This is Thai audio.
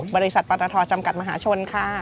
บริษัทปตทจำกัดมหาชนค่ะ